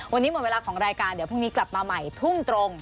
วันนี้หมดเวลาของรายการเดี๋ยวพรุ่งนี้กลับมาใหม่ทุ่มตรง